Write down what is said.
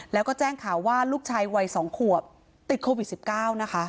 แล้วก็แจ้งข่าวว่าลูกชายวัย๒ขวบติดโควิด๑๙นะคะ